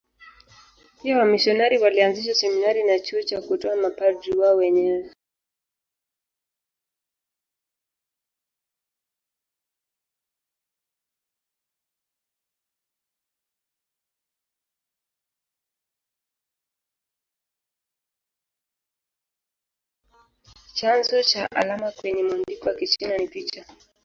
Chanzo cha alama kwenye mwandiko wa Kichina ni picha.